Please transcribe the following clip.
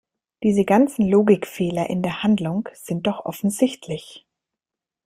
Diese ganzen Logikfehler in der Handlung sind doch offensichtlich!